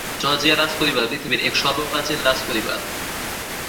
Georgia রাজ্ পরিবার পৃথিবীর এক সর্ব প্রাচীন রাজপরিবার।